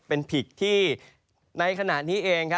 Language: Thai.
เป็นผิดที่ในขณะนี้เอง